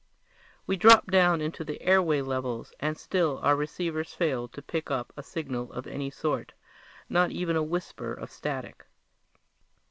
We dropped down into the airway levels, and still our receivers failed to pick up a signal of any sort not even a whisper of static.